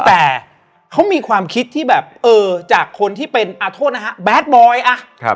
แต่เขามีความคิดที่แบบเออจากคนที่เป็นโทษนะฮะแดดบอยอ่ะ